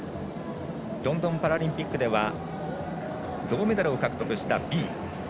ロンドンパラリンピックでは銅メダルを獲得したビイ。